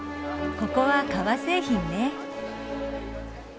ここは革製品ね。